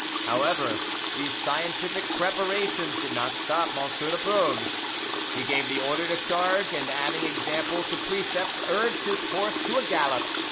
However, these scientific preparations did not stop M. de Brogue: he gave the order to charge, and adding example to precept, urged his horse to a gallop.